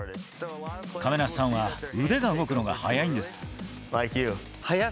亀梨さんは腕が動くのが早いんです。